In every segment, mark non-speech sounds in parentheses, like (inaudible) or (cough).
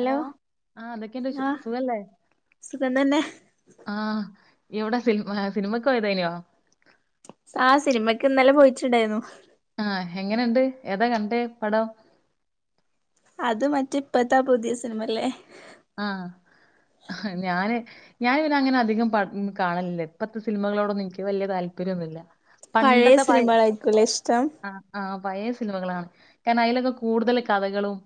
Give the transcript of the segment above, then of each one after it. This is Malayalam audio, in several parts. ഹലോ ആഹ എന്തൊക്കെണ്ട് വി ആഹ് സുഖല്ലേ സുഖം തന്നെ ആഹ എവിടൊ സിനി സിനിമ കൊയ തേ നിയോ ആ സിനിമക്ക് ഇന്നലെ പോയിറ്റ്ണ്ടായിരുന്നു ആഹ എങ്ങനുണ്ട് ഏതാ കണ്ടേ പടം അത് മറ്റേ ഇപ്പത്താ പുതിയ സിനിമല്ലേ ആഹ ഞാന് ഞൻ പിന്നെ അങ്ങനെ അധികം പട് കാണലില്ല ഇപ്പത്തസിൽമകളോടൊന്നുംനിക്ക് വല്യതാല്പര്യഒന്നുല്ല പഴയ സിനിമകളായിരികുല്ലേ ഇഷ്ടം ആ ആ പഴയ സിനിമകളാണ് കാരണം അതിലൊക്കെ കൂടുതൽ കഥകളും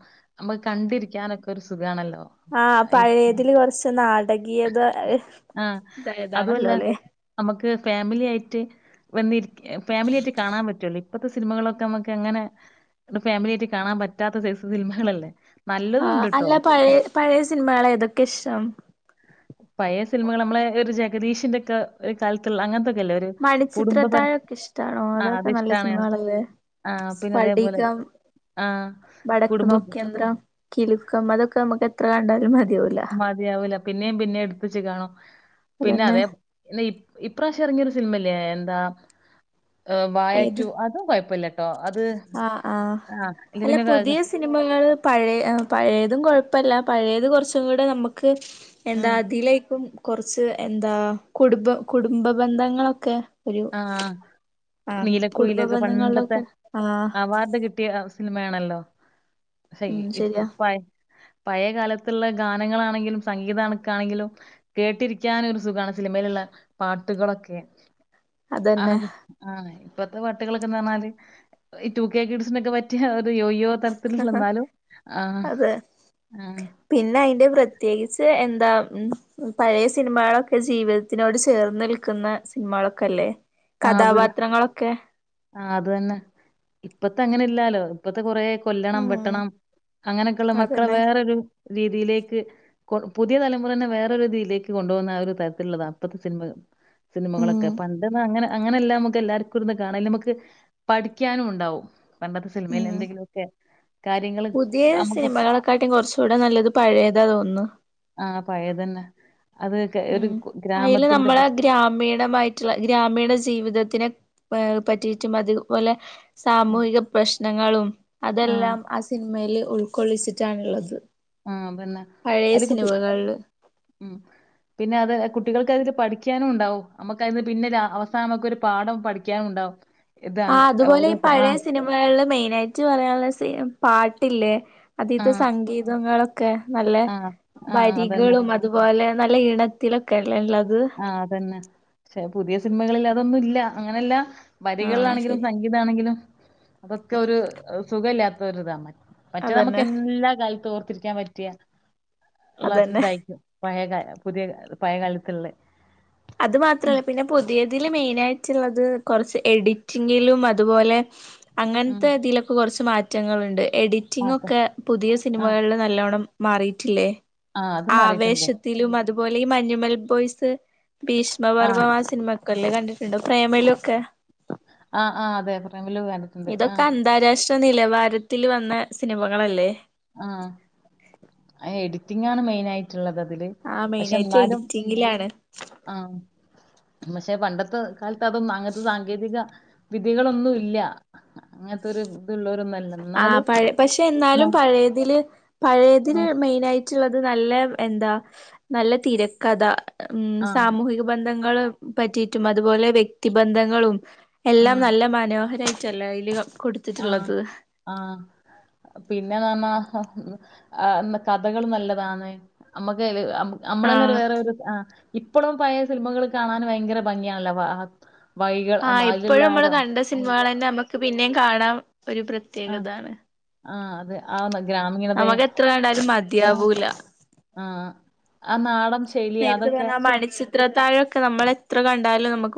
നമുക്ക് കണ്ടിരിക്കാനൊക്കെ ഒരു സുഖമാണല്ലോ ആഹ പഴയതിൽ കുറച്ച് നാട് ഇടകിയത്ത ആ അതുമല്ല ഇതായതാണല്ലോ ല്ലെ നമുക്ക് ഫാമിലി ആയിട്ട് വന്നി ഫാമിലിയായിട്ട് കാണാൻ പറ്റുവല്ലോ ഇപ്പഴത്തെ സിനിമകളൊക്കെ നമുക്ക് എങ്ങനെ ഫാമിലി ആയിട്ട് കാണാൻ പറ്റാത്ത സൈസ് സിനിമകളല്ലേ ആ നല്ലതും ഉണ്ട് ട്ടോ. അല്ല പഴയ പഴയ സിനിമകൾ ഏതൊക്കെ ഇഷ്ടം പഴയ സിനിമകൾ നമ്മളെ ഒരു ജഗദീഷിന്റെ ഒക്കെ കാലത്തിൽ അങ്ങനത്തെക്കെ മണിച്ചിത്രതാഴൊക്കെ ഇഷ്ടമാണോ ആ അതൊക്കെ നല്ല അതിഷ്ടാണ്. സിനിമകളല്ലേ ആ പിന്നെ അതേപോലെ സ്ഫടികം ആ വടക്ക് കുടുംബം നോക്കിയന്ത്രം കിലുക്കം അതൊക്കെ നമുക്ക് എത്ര കണ്ടാലും മതി മതിയാവൂല പിന്നെയും പിന്നെ എടുത്തച്ച് കാണും പിന്നെ അതന്നെ അതെ ഇപ്രാവശ്യം ഇറങ്ങിയൊരു സിനിമല്ലേ എന്താ വായാറ്റു അതും കൊഴപ്പല്ല ആ ആ ഇല്ല അല്ല പിന്നെ ക- പുതിയ സിനിമകൾ പഴയ പഴയതും കൊഴപ്പല്ല പഴയത് കൊറച്ചും കൂടെ നമുക്ക് ഉം എന്താ അതിലേക്കും കൊറച്ച് എന്താ കുടുംബ കുടുംബ ബന്ധങ്ങളൊക്കെ ഒരു ആ ആഹ് കുടുംബ നീലക്കുയിലൊക്കെ പണ്ടത്തെ ബന്ധങ്ങളിലൊക്കെ ആഹ് അവാർഡ് കിട്ടിയ സിനിമയാണല്ലോ ശെ ഉം ഇ ശരിയാ ഉപ്പായ പഴയ കാലത്തുള്ള ഗാനങ്ങളാണെങ്കിലും സംഗീത കണക്കാണെങ്കിലും കേട്ടിരിക്കാനൊരു സുഖമാണ് സിനിമയിലുള്ള പാട്ടുകളൊക്കെ ആ അതന്നെ ആ ഇപ്പഴത്തെ പാട്ടുകളൊക്കെ പറഞ്ഞാല് ഈ ടു കെ കിഡ്സിനൊക്കെ പറ്റിയ അത് യോയോ തരത്തിലുള്ള എന്നാലും ആ അതെ ആ പിന്നെ അയിന്റെ പ്രത്യേകിച്ച് എന്താ പഴയ സിനിമകളൊക്കെ ജീവിതത്തിനോട് ചേർന്ന് നിൽക്കുന്ന സിനിമകളൊക്കെ അല്ലേ കഥാപാത്രങ്ങളൊക്കെ ആ അത് തന്നെ ഇപ്പത്തെ അങ്ങനെ ഇല്ലാലോ ഇപ്പത്തെ കൊറേ കൊല്ലണം ഉം വെട്ടണം അങ്ങനെയൊക്കെയുള്ള മക്കളെ അതന്നെ വേറൊരു രീതിയിലേക്ക് കൊ പുതിയ തലമുറനെ വേറൊരു രീതിയിലേക്ക് കൊണ്ടു പോകുന്ന ആ ഒരു തരത്തിലുള്ളതാണ് ഇപ്പഴത്തെ സിനിമ ഉം സിനിമകളൊക്കെ പണ്ടെന്ന അങ്ങനെ അങ്ങനെല്ലാം നമുക്ക് എല്ലാർക്കും ഇര്ന്ന് കാണ നമുക്ക് പഠിക്കാനും ണ്ടാവും പണ്ടത്തെ സിനിമയിൽ എന്തെങ്കിലുമൊക്കെ കാര്യങ്ങള് പുതിയേ നമുക്ക് സിനിമകളെക്കാട്ടിം കൊറച്ചൂടെ നല്ലത് പഴയതാ തോന്നു ആഹ് പഴയതന്നെ അത് കെ ഉം ഒരു കു- അയില് ഗ്രാമത്തിന്റെ പ നമ്മളെ ഗ്രാമീണമായിറ്റ്ള്ള ഗ്രാമീണ ജീവിതത്തിനെ വേ പറ്റീറ്റും അതു പോലെ ഉം, സാമൂഹിക പ്രശ് നങ്ങളും അതെല്ലാം ആ സിനിമേല് ഉൾക്കൊള്ളിച്ചിറ്റാണ്ള്ളത് ആ അയില് കുട്ടി ഉം പിന്നെ അത് കുട്ടികള് ക്കതില് പഠിക്കാനു ണ്ടാവും നമുക്കത് പിന്നെ ലാ അവസാനമുക്കൊരു പാഠം പഠിക്കാനും ഉണ്ടാവും ഇത് അങ്ങ ആഹ് അതുപോലെ ഈ ഓരോ ആ പഴയ സിനിമകള്ള് മെയിനായിറ്റ് പറയാൻള്ളത് സീ പാട്ട് ട്ടില്ലേ അതീത്ത ആ സംഗീതങ്ങളൊ ക്കെ നല്ല ആഹ് ആഹ് അതന്നെ വരികളും അതുപോലെ നല്ല ഈണത്തിലൊക്കേൽ ആ അതെന്നെ ക്ഷെ പുതിയ സിനിമകളിലത് തൊന്നുല്ല അങ്ങനെല്ലാ ആ വരികളാണെങ്കിലും ശരിയാ സംഗീതാണെങ്കിലും അതൊക്കെ ഒരു സുഖ ഇല്ല്യാത്ത ഒരിതാ മറ്റ് മറ്റേ നമുക്ക് അതന്നെ എല്ലാ കാലത്തോർ ത്തിരിക്കാൻ പറ്റിയ ല്ല അതന്നെ (inaudible) പഴേ ഗാനം പുതിയ ഗാനം പയേ കാലത്ത്ള്ളേ അത് മാത്രല്ല പിന്നെ പുതിയത് തില് മെയിനായിറ്റ്ള്ളത് കൊറച്ച് എഡിറ്റിങ്ങിലും അതുപോലെ ഉം അങ്ങൻത്തെതിലൊക്കെ കൊറച്ച് മാറ്റ് റ്റങ്ങള്ണ്ട് അതെ എഡിറ്റിങ്ങൊക്കെ പുതിയ ആഹ് സിനിമകളില് നല്ലോണ്ണം മാറീറ്റില്ലേ ആഹ് അത് മാറിയിട്ടുണ്ട് ആവേശത്തിലുമത് അതുപോലെ ഈ മഞ്ഞുമ്മൽ ബോയ്സ് ഭീഷ്മ ആഹ് പർവ്വം ആ സിനിമക് കൊല്ലെ കണ്ടിട്ടുണ്ടോ പ്രേമലു ഒക്കെ ആ ആ അതെ പ്രേ മ വില് കണ്ടിട്ടുണ്ട് ആ ഇൊന്നില്ല വാരത്തിൽ വന്ന സിനിമകളല്ലേ ആ എഡിറ്റിങ്ങാണ് മെയിനായി ആ മെയിൻ ആയിട്ട് എഡിറ്റിംഗിലാണ് ആഹ് പക്ഷെ പണ്ടത്ത് കാലത്ത് അങ്ങനെത്തെ സാങ്കേതിക വിധികളൊന്നും ഇല്ല അങ്ങനത്തൊരു ഇത്ള്ളോരൊന്ന ആ പഴേ പക്ഷെ ഇന്നാലും പഴേ തില് പഴയതിൽ ആഹ് മെയിനായി റ്റുള്ളത് നല്ല എന്താ നല്ല തിരക്കഥ ഉം ആഹ് സമൂഹിക ബന്ധ ന്ധങ്ങള് പറ്റിയിട്ടും അതുപോലെ വ്യക്തിബന്ധങ്ങളും എല്ലാം നല്ല മനോഹരായി റ്റല്ലേ അയില് ഒ കൊടുത്തിട്ട്ള്ളത് ആ പിന്നെ കാ മ് ഹാ മ് ആ മ് കഥക്കളും നല്ലതാന്ന് അമ്മക്കയില് അ അമ്മളന്നൊരു ആഹ് വേറൊരു വീട് വെച്ച് ആ ഇപ്പളും പഴേ സിനിമകള് കാണാന് ഭയങ്കര ഭംഗിയാണല്ലോ വ ആ വഴികൾ ആ ഉം, അതിലുള്ള എപ്പഴും മ്മള് ഓരോ കണ്ട സിനിമകളന്നെമ്മ ക്ക് പിന്നെം കാണാം ഒരു ആഹ് പ്രത്യേകതാണ് ആഹ് അതെ ആ മ ഗ്രാമീണതേ നമുക്ക് എത്ര കണ്ടാലും മതിയാവൂല ആ ആ നാടൻ ശൈലി അതൊക്കെ ത്രത്തായൊക്കെ നമ്മളത്ര കണ്ടാലും നമ്മക്ക്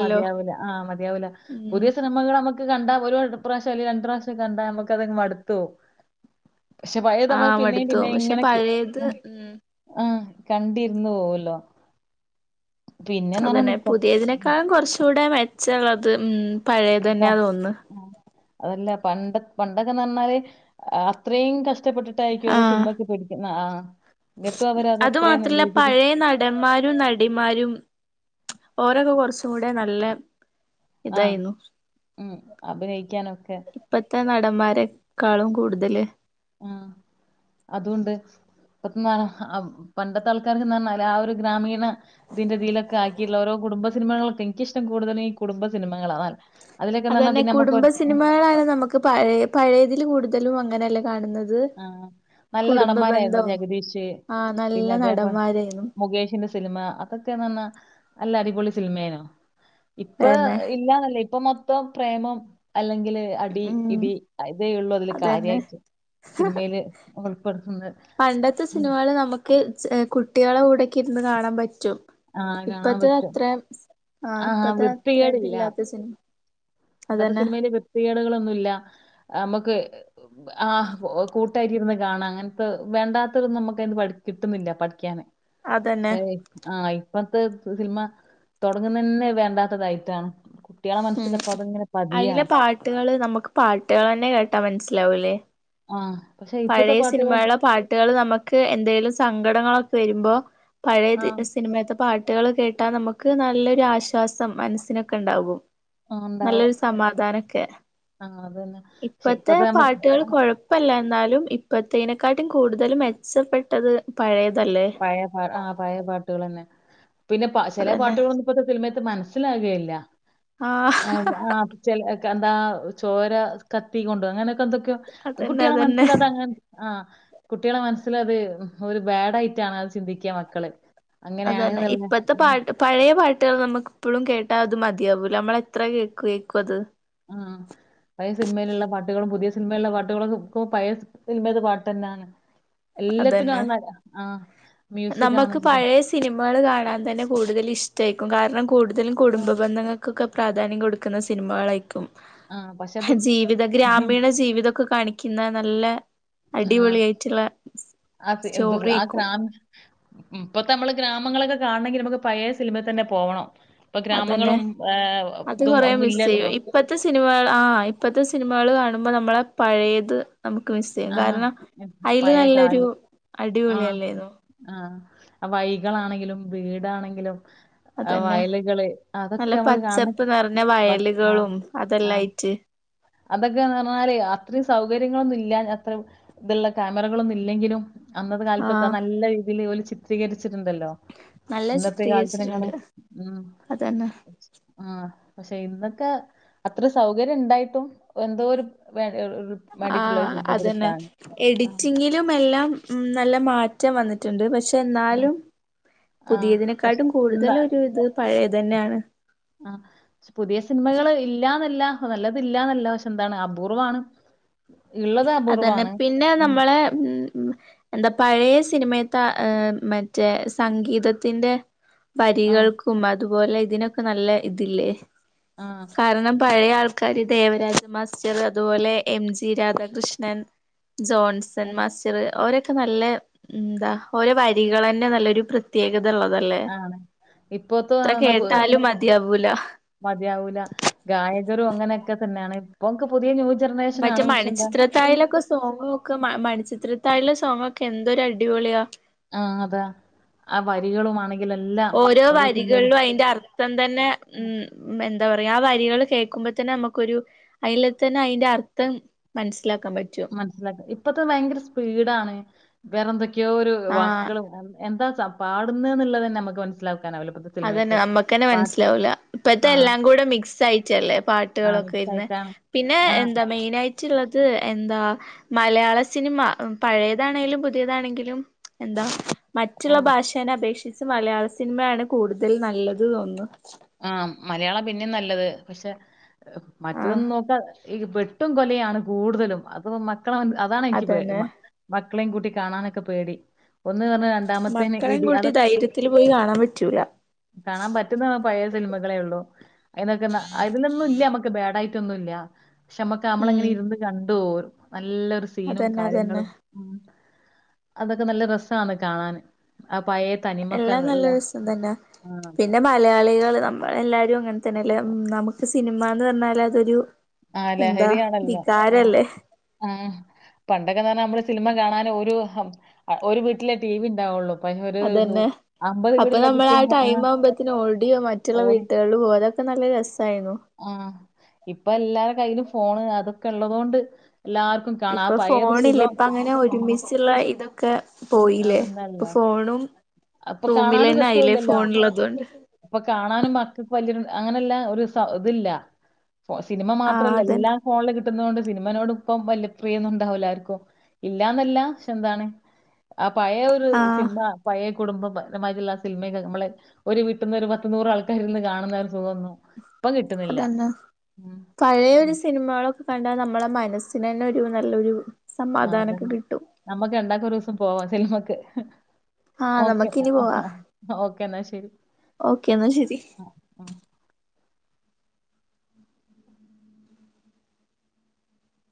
മതിയാവൂല്ല ആ മതിയാവൂല്ല ഉം പുതിയ സിനിമകള് നമ്മക്ക് കണ്ടാ ഒരു വട്ടം ത്ത്റാ പ്രാവശ്യം അല്ലേ രണ്ട് പ്രാവശ്യം കണ്ടാ നമ്മക്ക് അതങ്ങ് മടുത്തോവും പക്ഷെ പഴേതമ്മൾ ആഹ് പിന്നേം മടുത്തു പോവും പിന്നേം പക്ഷെ ഇങ്ങനെക്ക് പഴയത് ഉം ആ കണ്ടിരുന്ന് പോവല്ലോ പിന്നെന്ന് അത് പറഞ്ഞാ തന്നെ മിക്ക പുതിയതിനേക്കാളും കൊറ്ച്ചൂ ടെ മെച്ചള്ളത് ഉം പഴേതന്നാണ് തോന്ന്ന്ന് പണ്ടൊ പണ്ടൊക്കെന്ന് പറ്ഞ്ഞാല് ആ ത്രേം കഷ്ടപ്പെട്ടി ആ എന്നിട്ടും അവരത് അത് അത്രയും നല്ല മാത്രല്ല രീതിയില് പഴേ നടന്മാരും നടിമാരും ഓരോക്കെ കൊറച്ചു കൂടെ നല്ല ആ ഇതായിരുന്നു ഉം അഭിനയിക്കാനൊക്കെ ഇപ്പത്തെ നടന്മാരെ ക്കാളും കൂടുതല് ആ അതുണ്ട് (unintelligible) പണ്ടത്തെ ആൾക്കാര് ചെന്ന് പറഞ്ഞാല് ആ ഒരു ഗ്രാമീണ ഇതിന്റെതിയിലൊക്കെ ആക്കിയിള്ള ഓരോ കുടുംബസിനിമകളൊക്കെ എനിക്കിഷ്ടം കൂടുതലും ഈ കുടുംബ സിനിമകളാ (unintelligible) അതന്നെ പിന്നെ നമുക്ക് കുടുംബ സിനിമകളാണ് നമ്മക്ക് പഴേ പഴേതില് കൂടുതലും അങ്ങനെല്ലെ ആ നല്ല നടന്മാരായിരുന്നു ബന്ധം ജഗദീഷ് ആഹ് പിന്നെ നല്ല അതേ പോല് നടന്മാരായിരുന്നു മുകേഷിന്റെ സിനിമ അതൊക്കെന്നറ്ഞ്ഞ നല്ല അടി പൊളി സിനിമേനോ ഇപ്പോ അതന്നെ ഇല്ലാന്നല്ല ഇപ്പം മൊ പ്പം പ്രേമം അല്ലെ ങ്കില് അടി ഇടി ഇതേ ഉള്ളൂ അതില് അതന്നെ കര്യാട്ട് സിനിമയില് ഉളപ്പെടുത്തുന്ന ക്ക് കുട്ടികളുടെ കൂടെക്ക ഇരുന്ന് കാണാൻ പ റ്റും ആഹ് കാണാൻ ഇപ്പഴത്തെ പറ്റും അത്രം ആ ആഹ് ഇപ്പഴത അത്ര വൃത്തികേടില്ല ഇതില്ലാത്ത സിനിമ പണ്ടത്തെ അതന്നെ സിനിമയിലെ വൃതിയേടുകളും ന്നുംല്ല നമുക്ക് ആ കൂട്ടാരി ഇരുന്ന് കാണാം അങ്ങനത്തെ വേണ്ടാത്തന്നും നമുക്ക് കിട്ടുന്നില്ല പഠിക്കാന് അതന്നെ ശരി ആയി ഇപ്പഴത്തെ സിനിമ തുടങ്ങുന്ന തന്നെ വേണ്ടാത്തതായിട്ടാണ് കുട്ടികളെ മനസ്സില് അതിലെ പാട്ടുകള് നമുക്ക് പാട്ടുകൾ തന്നെ കേട്ടാ മനസ്സി ലാവുല്ലേ ആ പഴയ സിനിമയുള്ള പാട്ടുകൾ നമുക്ക് എന്തെിലും സങ്കടങ്ങളൊക്കെ വരുമ്പോ പഴയ ആഹ് സിനിമയത്തെ പാട്ട് ട്ടുകൾ കേട്ടാൽ നമുക്ക് നല്ലൊരു ആശ്വാസം മനസ്സിനൊക്കെ ഉണ്ടാകും ആഹ് ഉണ്ടാവും. നല്ലൊരു സമാധാനൊക്കെ ആഹ് അതന്നെ. പക്ഷെ ഇപ്പഴത്തെ ഇപ്പത്തെ നമ്മക്ക് പാട്ടുകൾ കൊഴപ്പല്ല എന്നാലും ഇപ്പഴതേനെക്കാട്ടിലും കൂടുതലും മെച്ചപ്പെട്ടത് പഴയത് പഴയ പാ ആ പഴയ പാട്ടുകൾ തന്നെ പിന്നെ ചില അതന്നെ പാട്ടുകളൊന്നും ഇപ്പോഴത്തെ സിനമ മന മനസ്സിലാകുകയില്ല ആഹ് അ ആ ചില എന്താ ചോര കത്തി കൊണ്ട അങ്ങനെ എന്തൊക്കെയോ അതന്നെ കുട്ടികള അതന്നെ മനസ്സിലാതെങ്ങനെ ആ കുട്ടികളെ മനസ്സൽ അത് ഒരു ബാഡായി റ്റായി അത് ചിന്തിക്കുക മക്കള് അങ്ങനെയാണ് അതന്നെ ന്ന്ള്ള ഇപ്പഴത്തെ ആഹ് പാട്ട് പഴയ പാട്ട് ട്ട് നമുക്ക്പ്പോഴും കേട്ടാ അത് മതിയാവൂ നമ്മള എത്ര കേൾക്ക കേൾക്ക അത് ആഹ് സിനിമയുള്ള പാട്ടുകളൊക്കെ ഇപ്പ പയ സിനിമയുടെ പാട്ട് തന്നെയാണ് അതന്നെ മ്യൂസിക് നമുക്ക് ആണെങ്കിലും പഴയ സിനിമകൾ കാണാൻ തന്നെ കൂടുതൽ ഇഷ്ടായി ക്കും കാരണം കൂടുത തലും ആഹ് കുടുംബന്ധങ്ങൾക്കൊക്കെ പ്രാധാന്യം കൊടുക്കുന്ന സിനിമകളായിരിക്കും ആഹ് പക്ഷെ അത് ജീവിത ഗ്രാമീണ ജീവിതൊക്കെ കാണിക്കുന്ന നല്ല ആഹ് അടിപൊളി ആയിട്ട്ള്ള ആ ത് ദു ആ ക്രാ ഉം ഇപ്പൊ നമ്മള് ഗ്രാമങ്ങളൊക്കെ കാണണെങ്കിൽ നമുക്ക് പഴയ സിനിമൽ തന്നെ പോവണം. ഇപ്പൊ അതന്നെ ഗ്രാമങ്ങളും ഏഹ് അത് ഇതും കൊറെ ഒന്നും മിസ് ഇല്ലല്ലോ. ചെയ്യും ഇപ്പത്തെ സിനിമകൾ ആ ഇപ്പത്തെ സിനിമകൾ കാ ണുമ്പോ നമ്മളെ പഴയത് നമുക്ക് മിസ് ചെയ്യും ആഹ്. കാരണം അതിൽ പഴയ നല്ലൊരു കാലം അടിപൊളി അല്ലായിരുന്നോ. വൈകളാണെങ്കിലും വീടാണെങ്കിലും ആ അതന്നെ വയലുകള് നല്ല അതൊക്കെ നമുക്ക് കാണ പച്ചപ്പ് നിറഞ്ഞ ബ വയലുകളും അതെല്ലായിട്ട്. അതൊക്കെ ന്ന് പറഞ്ഞാല് അത്രയും സൗകര്യങ്ങളൊന്നുംല്ല അത്ര ഇതുള്ള ക്യാമറകളൊന്നും ഇല്ലെങ്കിലും അന്നത്തെ കാലത്തൊക്കെ ആഹ് നല്ല രീതിയിൽ ഓല് ചിത്രീകരി ട്ടുണ്ടല്ലോ നല്ല ഇന്നത്തെ ചിത്രീകരിച്ചിട്ടുണ്ട് കാലത്തിനേക്കാളും ഉം. അതന്നെ ആ പക്ഷെ ഇന്നൊക്കെ അത്ര സൗകര്യം ഉണ്ടായിട്ടും എന്തോ ഒരു വേ ഒരു ആ മടിയിട്ടുള്ള ഒരു അതന്നെ സിനിമപിടുത്താണ്. ആഹ് എഡിറ്റിങ്ങിലും എല്ലാം നല്ല മാ റ്റം വന്നിട്ടുണ്ട് പക്ഷെ ക്ഷെ ആഹ് എന്നാലും ആഹ് പക്ഷെ പുതിയതിനെക്കാട്ടും ഇന്ന കൂടുതല് ഒരു ഇത് പഴയതന്നെയാണ്. ആഹ് പക്ഷെ പുതിയ സിനിമകള് ഇല്ലാന്നല്ല നല്ലത് ഇല്ലാന്നല്ല പക്ഷെ എന്താണ് അപൂർവമാണ്. അതന്നെ പിന്നെ നമ്മളെ ഉം എന്താ പഴയ സിനിമ ത്തെ മറ്റേ സംഗീതത്തിന്റെ ആഹ് വരികൾക്കും അതും പോലെ ഇതിനൊക്കെ നല്ല ഇതില്ലേ. ആഹ് കാരണം പഴയ ആൾ ക്കാരി ദേവരാജ മാസ്റ്റർ അതുപോലെ M G Radha Krishnan Johnson ആഹ് മാസ്റ്റർ അവരൊ നല്ല എന്താ ഓരോ വരികളന്നെ നല്ലൊരു പ്രത്യേകത ഉള്ളതല്ലേ എത്ര ആണ്. ഇപ്പോത്ത ആ കേട്ടാലും മതിയാവൂല മതിയാവൂല ഗായകരും അങ്ങനെയൊക്കെ തന്നെയാണ് പോൻക്ക് പുതിയ ന്യൂ ജനറേഷൻ മറ്റേ ആണ് പക്ഷെ എന്താ മണിചിത്രത്താഴിലൊക്കെ സോങ് ഒക്കെ മ മണിചിത്ര താഴിലെ സോങ് ഒക്കെ എന്തൊരു അടിപൊളിയാ. ആഹ് അതാ ആ വരികളും ആണെ ഓരോ വരികൾലും അതിന്റെ അർത്ഥം തന്നെ ഉം എന്താ പറയ്യാ ആ വരികൾ കേൾക്കുമ്പോ തന്നെ നമുക്കൊരു അയില്തന്നെ അയ്ന്റർത്ഥം മൻസ് മനസ്സിലാ ഇപ്പത്തെ ഭയങ്കര സ്പീഡാണ് വേറെന്തക്കെ ക്ക്യോഒരു ആഹ് വാക്കുകളും എന്താ സം പാടുന്ന് ന്ന്ള്ളതന്നെ നമ്മക്ക് മനസ്സിലാ അതന്നെ നമ്മക്കന്നെ മനസ്സിലാവൂല ഇപ്പത്തെ ആ, എല്ലാം കൂടെ മിക്സ് ആയി ചെല്ലേ ആ പാട്ടുകളൊക്കെ ഇര്ന്ന് മിക്സായിട്ടാണ്. പിന്നെ ആ, എന്താ മെയിനായി ചിള്ളത് എന്താ മലയാള സിനിമ പഴയതാണെങ്കിലും പുതിയതാണെങ്കിലും എന്താ മറ്റുള്ള ഉം. ഭാഷേനെ അപേക്ഷി ച്ച് മലയാള സിൻമേണ് കൂടുതൽ നല്ലത് തോന്നുന്നു ആ മലയാളം പിന്നിം നല്ലത് പക്ഷേ ആഹ് മറ്റതൊന്ന് നോക്കാ ഈ വെട്ടും കൊലയാണ് കൂടുതലും അപൊ മ ക്കളവൻ അതാണ് ഇൻക്കി പേ അതന്നെ മ മക് ക്ളേം കൂട്ടി കാണാനൊക്കെ പേടി ഒന്ന് പറഞ്ഞ് രണ്ടാമത്തേന് മക്കളെയും ഇടി. കൂട്ടി അതൊ ധൈര്യത്തിൽ പോയി കാണാൻ പറ്റൂല. മകളെ ഉള്ളൂ അയിനൊക്കെന്ന അയില്ന്നൊന്നും ഇല്ല മക്ക് ബാഡായി ക്കൊന്നുല്ല പക്ഷെ മ്മക്ക് നമ്മളങ്ങനെ ഉം ഇരുന്ന് കണ്ടോഉ നല്ലൊരു സീനും അതന്നെ അതന്നെ കാര്യങ്ങളും അതൊക്കെ നല്ല രസാണ് കാണാന്. ആ പഴയ തനിമൊക്കെ എല്ലാം ഉള്ള നല്ല രസം തന്നെ. ആ പ- പിന്നെ മലയാളികൾ ള് നമ്മളെല്ലാരും ങ്ങൻതന്നെഅല്ലേ നമ്ക്ക് സിനിമാന്ന് പർഞ്ഞാല് അതൊരു ആ എന്താ ലഹരിയാണല്ലോ. ഉം വികാരല്ലേ ഉം പണ്ടൊക്കന്ന് പർഞ്ഞാ മ്മള് സിലിമ കാണ ആന് ഓരൂ ഒരു വീട്ടിലെ ടി വി ണ്ടാവൊള്ളൂ. അതന്നെ അപ്പൊ നമ്മള് ആ ടൈം ആവുമ്പത് നോടി മറ്റുള്ള ഓടി വീട്ടുകൾല് പോവും അതൊക്കെ നല്ല രസായിന്നു ആ ഇപ്പൊ എല്ലാര കയ്യിലും ഫോണ് അതൊക്കെ ഇള്ളതോണ്ട് ഇപ്പൊ ഫോണില്ല ഇപ്പ അങ്ങനെ ഉം. ഒരുമിച്ചുള്ള ഇതൊ കെ പോയില്ലേ ഇപ്പൊ ആണെന്നല്ലോ. ഫോണും അപ്പൊ കാണാനും റൂമിലന്നെ രസം ആയില്ലേ ഇല്ലല്ലോ ഫോണിള്ളത് കൊണ്ട് അപ്പൊ കാണാനും മക്ക്‌ (unintelligible) അങ്ങനെല്ല ഒരു സ ഇതില്ല സിനിമ ആഹ് മാത്രല്ല എല്ലാ അതന്നെ ഫോണില് കിട്ടുന്നത് കൊണ്ട് സിനിമനോട് ഇപ്പം വല്യപ്രിയൊന്നും ഉണ്ടാവൂല ആർക്കും ഇല്ലാന്നല്ല ക്ഷേ എന്താണ് ആ പഴയ ഒരു ആഹ് സിനിമ പഴേ കുടുംബപരമായിട്ടുള്ള സില്മേക്ക നമ്മളെ ഒരു വീട്ടന്ന് ഒരു പത്ത് നൂറ് ആൾക്കാരിരുന്ന് കാണുന്ന സുഖന്നു ഇപ്പൊ കിട്ടുന്നില്ല അതന്നെ കണ്ടാ നമ്മള മനസ്സിന് തന്ന ഒരു നല്ലൊരു ആ സമാധാനൊക്കെ അതന്നെ കിട്ടും നമ്മുക്ക് രണ്ടാക്കും ഒരുസം പോവാ സിൽമക്ക് ആഹ് ഓക്കെ നമുക്കിനി പോവാ ഓക്കേ എന്നാ ശരി ഓക്കെ എന്നാ ശരി ആ അ